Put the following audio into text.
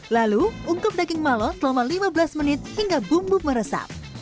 lalu ungkep daging malon selama lima belas menit hingga bumbu meresap